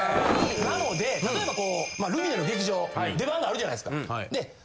なので例えばルミネの劇場出番があるじゃないですか。